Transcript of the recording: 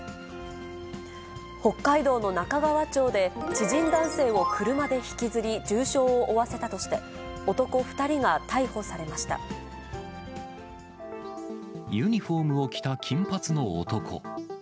北海道の中川町で、知人男性を車で引きずり、重傷を負わせたとして、男２人が逮捕さユニホームを着た金髪の男。